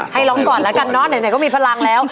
ให้ร้องก่อนแล้วกันเนอะไหนก็มีพลังแล้ว